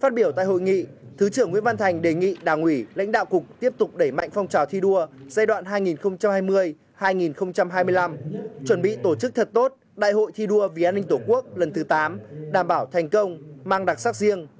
phát biểu tại hội nghị thứ trưởng nguyễn văn thành đề nghị đảng ủy lãnh đạo cục tiếp tục đẩy mạnh phong trào thi đua giai đoạn hai nghìn hai mươi hai nghìn hai mươi năm chuẩn bị tổ chức thật tốt đại hội thi đua vì an ninh tổ quốc lần thứ tám đảm bảo thành công mang đặc sắc riêng